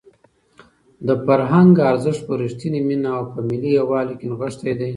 د فرهنګ ارزښت په رښتونې مینه او په ملي یووالي کې نغښتی دی.